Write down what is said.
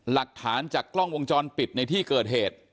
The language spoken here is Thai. หลักฐานจากกล้องวงจรปิดในที่เกิดเหตุ